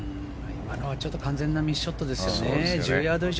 今のは完全なミスショットですよね。